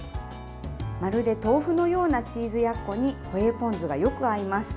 まるで豆腐のようなチーズやっこにホエーポン酢がよく合います。